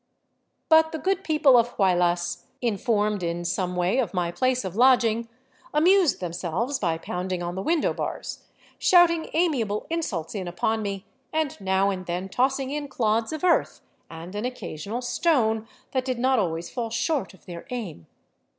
But the good people of Huaylas, informed in some way 296 DRAWBACKS OF THE TRAIL of my place of lodging, amused themselves by pounding on the window bars, shouting amiable insults in upon me, and now and then tossing in clods of earth and an occasional stone that did not always fall short of their aim.